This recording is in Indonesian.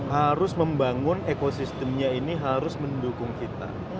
harus membangun ekosistemnya ini harus mendukung kita